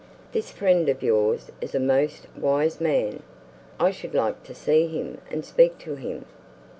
This friend of yours is a most wise man. I should like to see him and speak to him."